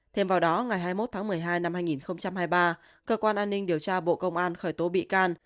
thêm vào đó ngày hai mươi một tháng một mươi hai năm hai nghìn hai mươi ba cơ quan an ninh điều tra bộ công an khởi tố bị can